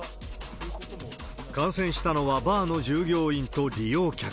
感染したのはバーの従業員と利用客。